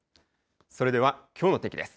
それではきょうの天気です。